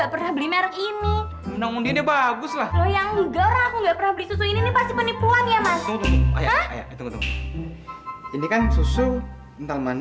ya ampun terima kasih ya allah